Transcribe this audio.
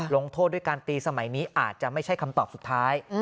ลงโทษด้วยการตีสมัยนี้อาจจะไม่ใช่คำตอบสุดท้าย